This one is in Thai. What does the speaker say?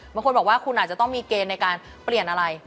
บางคนบอกว่าคุณอาจจะต้องมีเกณฑ์ในการเปลี่ยนอะไร